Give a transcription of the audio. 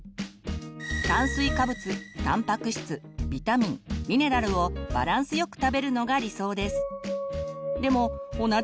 炭水化物たんぱく質ビタミン・ミネラルをバランスよく食べるのが理想です。